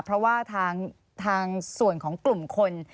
เพราะว่าทางส่วนของกลุ่มคน